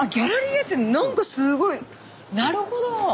なんかすごいなるほど！